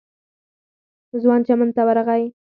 ځوان چمن ته ورغی.